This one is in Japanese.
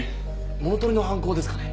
物取りの犯行ですかね？